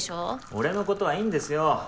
俺のことはいいんですよ